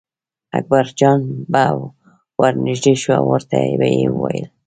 اکبرجان به ور نږدې شو او ورته به یې ویل.